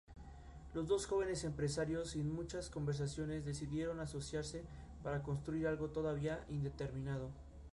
Los dos jóvenes empresarios, sin muchas conversaciones decidieron asociarse para construir algo todavía indeterminado.